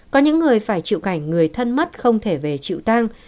có những người phải chịu cảnh người thân mất không thể về chịu tăng